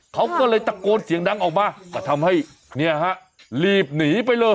เขาก็เลยตะโกนเสียงดังออกมาก็ทำให้เนี่ยฮะรีบหนีไปเลย